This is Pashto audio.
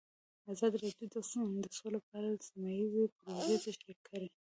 ازادي راډیو د سوله په اړه سیمه ییزې پروژې تشریح کړې.